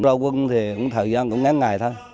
rô quân thì cũng thời gian cũng ngán ngài thôi